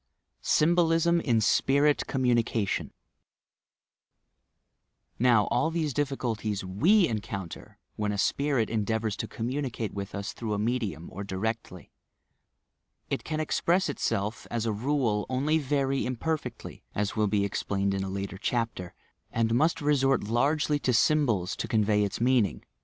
SYHBOUSM IN SPIRIT COMMUNICATION Now, all these difficulties we encounter when a spirit endeavours to communicate with us through a medium, or directly. It can express itself, as a rule, only very imperfectly (as will be explained in a later chapter), and must resort largely to symbols to convey its mean ing.